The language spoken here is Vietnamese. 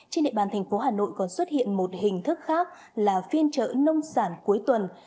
trên địa bàn thành phố hà nội còn xuất hiện một hình thức khác là phiên trợ nông sản cuối tuần